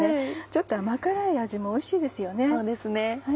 ちょっと甘辛い味もおいしいですよね。